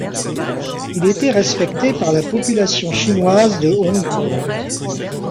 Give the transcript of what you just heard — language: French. Il était respecté par la population chinoise de Hong Kong.